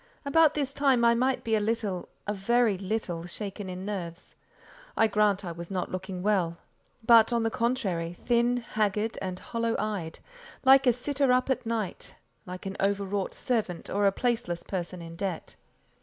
About this time I might be a little—a very little—shaken in nerves. I grant I was not looking well, but, on the contrary, thin, haggard, and hollow eyed; like a sitter up at night, like an overwrought servant, or a placeless person in debt.